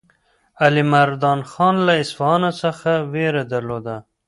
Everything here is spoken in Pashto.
علیمردان خان له اصفهان څخه وېره درلوده.